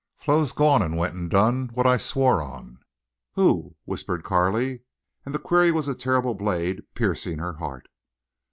Flo's gone an' went an' done what I swore on." "Who?" whispered Carley, and the query was a terrible blade piercing her heart.